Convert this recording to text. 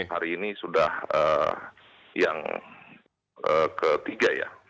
hari ini sudah yang ketiga ya